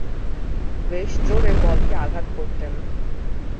বেশ জোরে বলকে আঘাত করতেন।